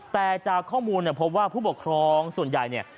แต่จากข้อมูลพบว่าผู้ปกครองส่วนใหญ่